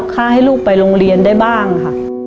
ค่าให้ลูกไปโรงเรียนได้บ้างค่ะ